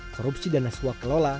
korupsi dan naswa kelola